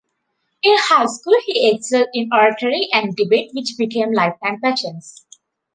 In high school, he excelled in oratory and debate, which became lifetime passions.